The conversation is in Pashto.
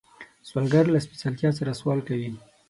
سوالګر له سپېڅلتیا سره سوال کوي